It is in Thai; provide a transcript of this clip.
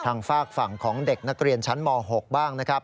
ฝากฝั่งของเด็กนักเรียนชั้นม๖บ้างนะครับ